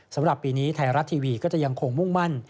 สำหรับปีนี้ไทยรัฐทีวีก็จะยังคงมุ่งมั่น